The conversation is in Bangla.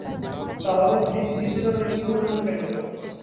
দাঁড়াও, ডিজিটাল না-কি পুরনো মেকানিক্যাল?